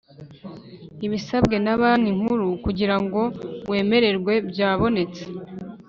Ibisabwe na Banki Nkuru kugira ngo wemerwe byabonetse